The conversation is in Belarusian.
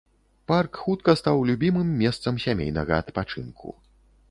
Парк хутка стаў любімым месцам сямейнага адпачынку.